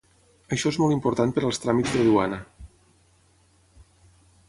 Això és molt important per als tràmits de duana.